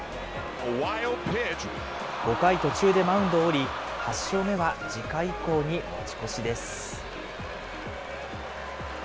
５回途中でマウンドを降り、８勝目は次回以降に持ち越しです。